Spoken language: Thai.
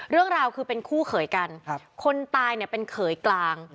เรื่องราวคือเป็นคู่เขยกันคนตายเนี่ยเป็นเขยกลาง